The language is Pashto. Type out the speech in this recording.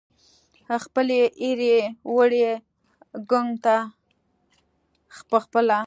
خپلې ایرې وړي ګنګ ته پخپله